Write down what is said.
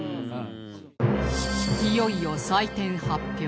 いよいよ採点発表